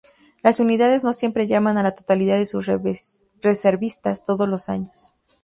Las unidades no siempre llaman a la totalidad de sus reservistas todos los años.